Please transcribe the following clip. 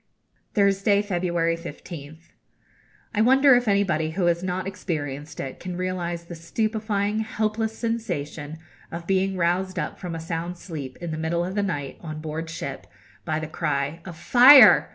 Thursday, February 15th. I wonder if anybody who has not experienced it can realise the stupefying, helpless sensation of being roused up from a sound sleep, in the middle of the night, on board ship, by the cry of 'Fire!'